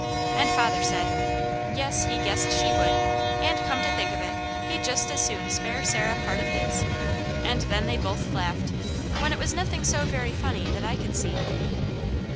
And father said, "Yes, he guessed she would, and come to think of it, he'd just as soon spare Sarah part of his," and then they both laughed, when it was nothing so very funny that I could see.